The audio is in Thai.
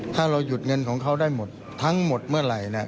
ถ้าเราหยุดเงินของเขาได้หมดทั้งหมดเมื่อไหร่